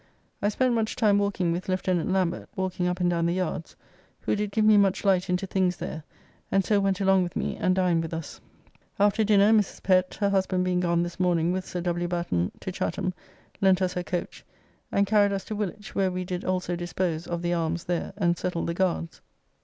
I spent much time walking with Lieutenant Lambert, walking up and down the yards, who did give me much light into things there, and so went along with me and dined with us. After dinner Mrs. Pett, her husband being gone this morning with Sir W. Batten to Chatham, lent us her coach, and carried us to Woolwich, where we did also dispose of the arms there and settle the guards.